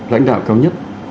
lãnh đạo cao nhất